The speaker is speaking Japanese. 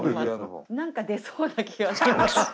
何か出そうな気がして。